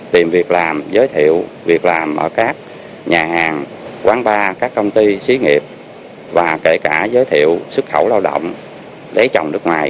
tìm việc làm giới thiệu việc làm ở các nhà hàng quán bar các công ty xí nghiệp và kể cả giới thiệu xuất khẩu lao động để trồng nước ngoài